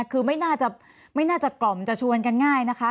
คือไม่น่าจะไม่น่าจะกล่อมจะชวนกันง่ายนะคะ